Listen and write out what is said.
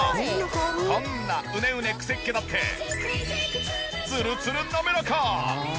こんなうねうねくせっ毛だってツルツル滑らか！